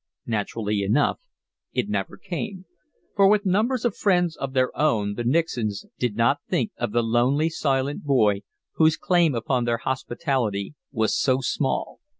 Naturally enough it never came, for with numbers of friends of their own the Nixons did not think of the lonely, silent boy whose claim upon their hospitality was so small.